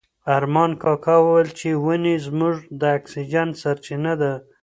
ارمان کاکا وویل چې ونې زموږ د اکسیجن سرچینه ده.